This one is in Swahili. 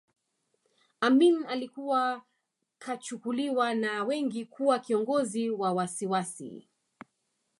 Amin alikuwa kachukuliwa na wengi kuwa kiongozi wa wasiwasi